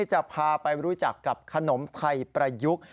จะพาไปรู้จักกับขนมไทยประยุกต์